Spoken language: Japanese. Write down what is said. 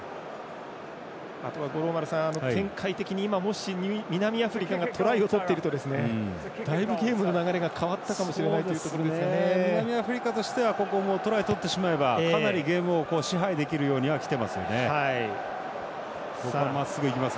あとは五郎丸さん、展開的に今、もし南アフリカがトライをとっているとだいぶゲームの流れが変わったかもしれない南アフリカとしてはここ、トライ取ってしまえばかなりゲームを支配できるところまできていますよね。